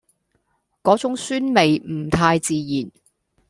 嗰種酸味唔太自然